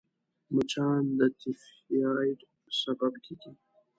مچان د تيفايد سبب کېږي